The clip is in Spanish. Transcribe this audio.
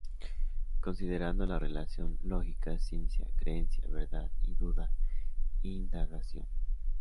Considerando la relación lógica-ciencia, creencia–verdad y duda–indagación.